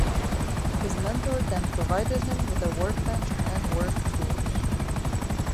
His mentor then provided him with a workbench and work tools.